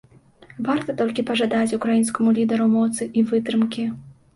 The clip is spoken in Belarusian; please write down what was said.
Варта толькі пажадаць украінскаму лідару моцы і вытрымкі.